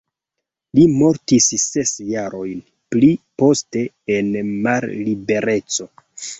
Li mortis ses jarojn pli poste en mallibereco.